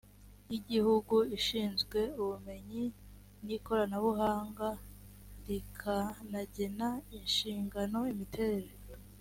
y igihugu ishinzwe ubumenyi n ikoranabuhanga ncst rikanagena inshingano imiterere